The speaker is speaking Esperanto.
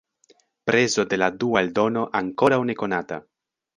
Prezo de la dua eldono ankoraŭ ne konata.